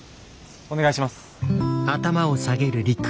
お願いします。